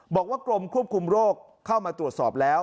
กรมควบคุมโรคเข้ามาตรวจสอบแล้ว